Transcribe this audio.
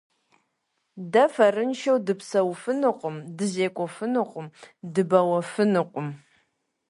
Дэ фэрыншэу дыпсэуфынукъым, дызекӀуэфынукъым, дыбэуэфынукъым.